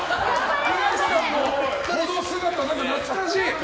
東さんのこの姿何か懐かしい！